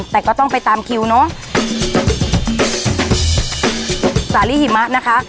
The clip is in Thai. แต่ก็ต้องไปตามคิวเนอะสาลีหิมะนะคะ